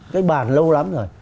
cái bàn lâu lắm rồi